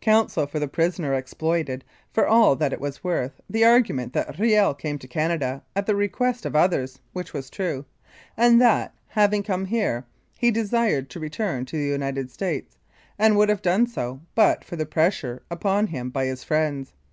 Counsel for the prisoner exploited, for all that it was worth, the argument that Riel came to Canada at the request of others, which was true; and that, having come here, he desired to return to the United States, and would have done so but for the pressure put upon him by his friends.